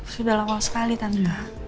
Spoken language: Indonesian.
sudah awal sekali tante